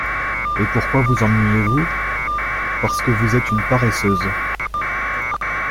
Et pourquoi vous ennuyez-vous ? parce que vous êtes une paresseuse.